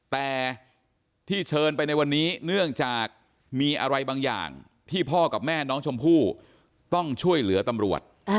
แต่ที่เชิญไปในวันนี้เนื่องจากมีอะไรบางอย่างที่พ่อกับแม่น้องชมพู่ต้องช่วยเหลือตำรวจ